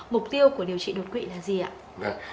mục tiêu của điều trị đột quỵ là gì ạ